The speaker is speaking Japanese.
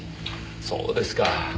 そうですか。